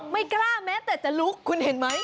ไม่กล้าแม้แต่จะลุกคุณเห็นไหม